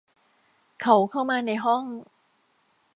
เขาเข้ามาในห้อง